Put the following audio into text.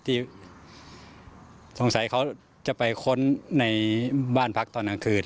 ที่สงสัยเขาจะไปค้นในบ้านพักตอนกลางคืน